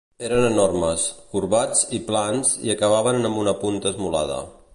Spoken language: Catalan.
Eren enormes, corbats i plans i acabaven amb una punta esmolada.